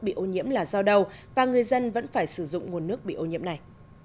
bị ô nhiễm là do đầu và người dân vẫn phải sử dụng nguồn nước bị ô nhiễm này